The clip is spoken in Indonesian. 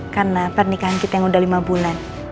karena pernikahan kita yang udah lima bulan